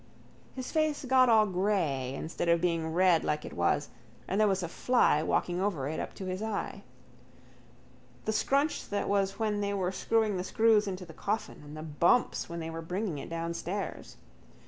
His face got all grey instead of being red like it was and there was a fly walking over it up to his eye. The scrunch that was when they were screwing the screws into the coffin: and the bumps when they were bringing it downstairs.